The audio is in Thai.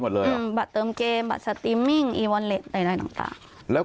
บัตรเติมเกมบัตรสตรีมมิ่งอีวอนเล็ตอะไรต่างแล้ว